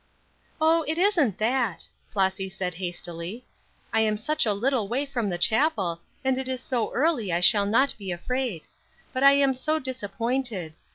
"Oh, it isn't that," Flossy said, hastily. "I am such a little way from the chapel, and it is so early I shall not be afraid; but I am so disappointed.